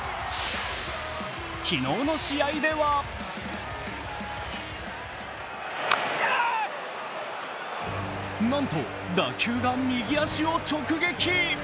昨日の試合ではなんと、打球が右足を直撃。